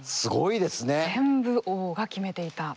全部王が決めていた。